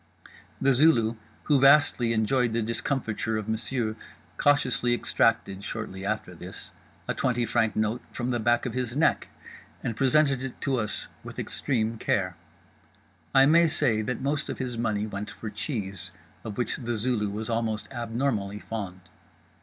The Zulu, who vastly enjoyed the discomfiture of Monsieur, cautiously extracted (shortly after this) a twenty franc note from the back of his neck, and presented it to us with extreme care. I may say that most of his money went for cheese, of which The Zulu was almost abnormally fond.